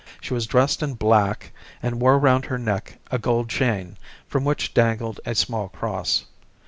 She was dressed in black and wore round her neck a gold chain, from which dangled a small cross.